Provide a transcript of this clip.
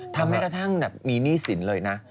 ทำให้กระทั่งมีหนี้สินเลยนะ